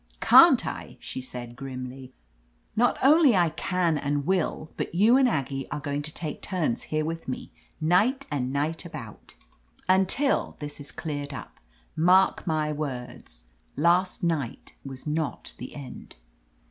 "Can't I?" she said^grimly. "Not only I can, and will, but you and Aggie are going to take turns here with me, night and night about, 14 : OF LETITIA CARBERRY until this is cleared up. Mark my words, last night was not the end."